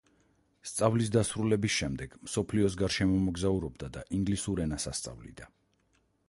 სწავლის დასრულების შემდეგ, მსოფლიოს გარშემო მოგზაურობდა და ინგლისურ ენას ასწავლიდა.